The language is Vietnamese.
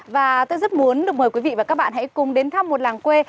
và tôi rất muốn được mời quý vị và các bạn hãy cùng đến thăm một làng quê